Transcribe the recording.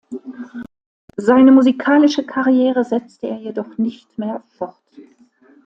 Seine musikalische Karriere setzte er jedoch nicht mehr fort.